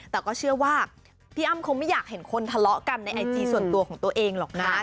แต่ก็เชื่อว่าพี่อ้ำคงไม่อยากเห็นคนทะเลาะกันในไอจีส่วนตัวของตัวเองหรอกนะ